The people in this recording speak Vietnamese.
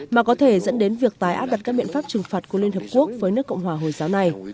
mà có thể dẫn đến việc tái áp đặt các biện pháp trừng phạt của liên hợp quốc với nước cộng hòa hồi giáo này